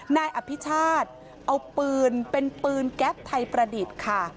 นายอภิชาติเอาปืนเป็นปืนแก๊ปไทยประดิษฐ์ค่ะ